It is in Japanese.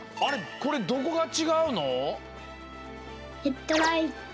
これどこがちがうの？